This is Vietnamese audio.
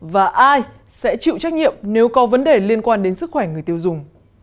và ai sẽ chịu trách nhiệm nếu có vấn đề liên quan đến sức khỏe người tiêu dùng